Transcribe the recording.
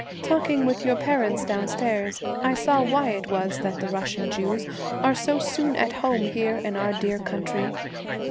'Talking with your parents downstairs I saw why it was that the Russian Jews are so soon at home here in our dear country.